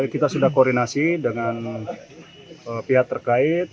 kita sudah koordinasi dengan pihak terkait